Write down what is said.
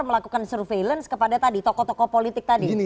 melakukan surveillance kepada tadi tokoh tokoh politik tadi